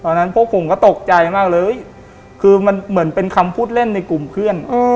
นั้นพวกผมก็ตกใจมากเลยคือมันเหมือนเป็นคำพูดเล่นในกลุ่มเพื่อน